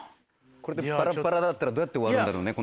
これでバラッバラだったらどうやって終わるんだろうね